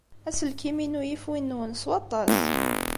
Aselkim-inu yif win-nwen s waṭas.